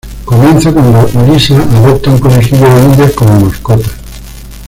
Comienza cuando Lisa adopta un conejillo de indias como mascota.